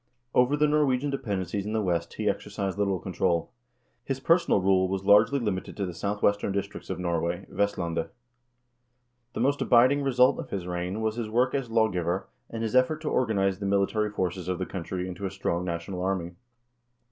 Over the Norwegian depend encies in the West he exercised little control. His personal rule was largely limited to the southwestern districts of Norway — Vest landet. The most abiding result of his reign was his work as law giver, and his effort to organize the military forces of the country into a strong national army.